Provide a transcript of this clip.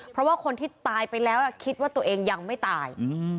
เพราะว่าคนที่ตายไปแล้วคิดว่าตัวเองยังไม่ตาย